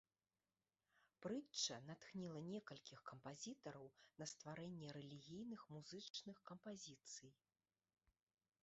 Прытча натхніла некалькіх кампазітараў на стварэнне рэлігійных музычных кампазіцый.